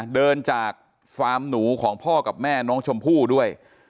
เดินจากฟาร์มหนูของพ่อกับแม่น้องชมพู่ด้วย